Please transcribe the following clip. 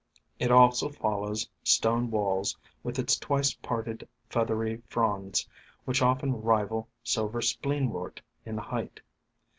It also follows stone walls with its twice parted feathery fronds, which often rival Silver Spleenwort in height.